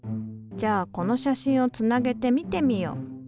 じゃあこの写真をつなげて見てみよう。